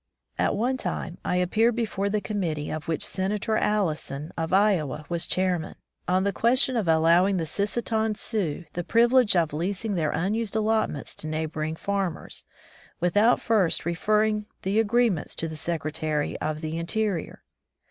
At one time I appeared before the committee of which Senator Allison of Iowa was chairman, on the question of allowing the Sisseton Sioux the privilege of leasing their unused allotments to neigh boring farniers, without first referring the agreements to the Secretary of the Interior.